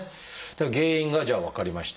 原因がじゃあ分かりました。